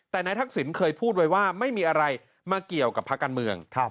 เขาเคยพูดไว้ว่าไม่มีอะไรมาเกี่ยวกับภักดิ์การเมือง